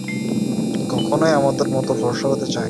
আমি কখনোই তাদের মত ফর্সা হতে চাই না।